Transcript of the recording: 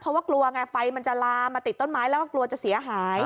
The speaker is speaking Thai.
เพราะว่ากลัวไงไฟมันจะลามมาติดต้นไม้แล้วก็กลัวจะเสียหาย